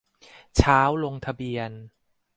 เช้าลงทะเบียน